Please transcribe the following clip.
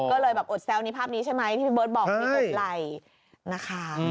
ก็เลยแบบอดแซวในภาพนี้ใช่ไหมที่พี่เบิร์ตบอกมีกดไลค์นะคะ